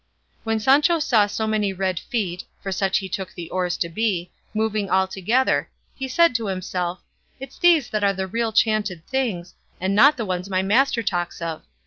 When Sancho saw so many red feet (for such he took the oars to be) moving all together, he said to himself, "It's these that are the real chanted things, and not the ones my master talks of.